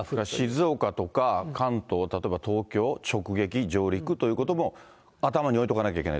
静岡とか関東、例えば東京、直撃、上陸ということも頭に置いとかなきゃいけない。